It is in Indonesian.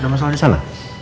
udah masalah di sana